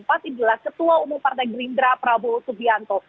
adalah ketua umum partai gerindra prabowo subianto